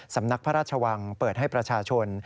สำนักพระราชวังเปิดให้ประชาชน